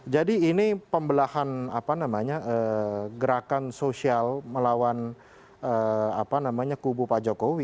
jadi ini pembelahan apa namanya gerakan sosial melawan apa namanya kubu pak jokowi